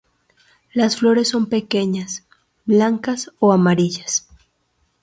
Las flores son pequeñas, blancas o amarillas.